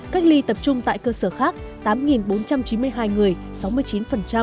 cách ly tập trung tại cơ sở khác tám bốn trăm chín mươi hai người sáu mươi chín